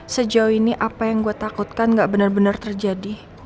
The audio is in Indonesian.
sejauh ini apa yang gue takutkan gak benar benar terjadi